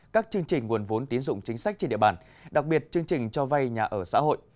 các chương trình nguồn vốn tín dụng chính sách trên địa bàn đặc biệt chương trình cho vay nhà ở xã hội